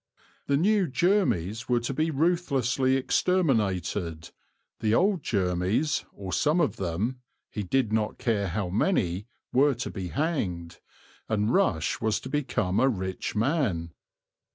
The new Jermys were to be ruthlessly exterminated; the old Jermys, or some of them (he did not care how many), were to be hanged, and Rush was to become a rich man.